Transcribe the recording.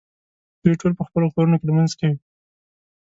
دوی ټول په خپلو کورونو کې لمونځ کوي.